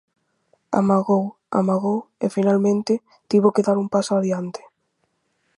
Amagou, amagou e finalmente tivo que dar un paso adiante.